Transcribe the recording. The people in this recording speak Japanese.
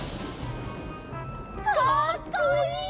かっこいい！